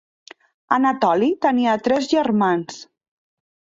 Anatoli tenia tres germans.